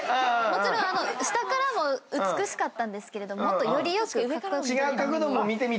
もちろん下からも美しかったんですけれどもっとよりよくカッコ良く撮るために。